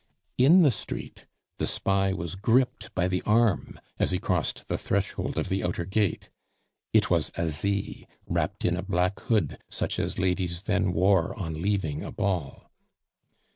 In the street the spy was gripped by the arm as he crossed the threshold of the outer gate. It was Asie, wrapped in a black hood such as ladies then wore on leaving a ball.